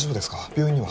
病院には？